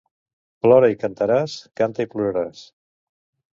Plora i cantaràs; canta i ploraràs.